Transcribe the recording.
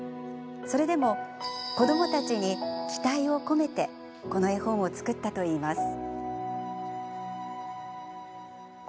それでも子どもたちに期待を込めてこの絵本を作ったといいます。